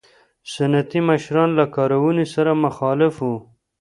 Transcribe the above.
سنتي مشران له کارونې سره مخالف وو.